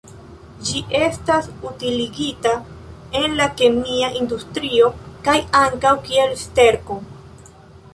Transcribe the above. Ĝi estas utiligita en la kemia industrio kaj ankaŭ kiel sterko.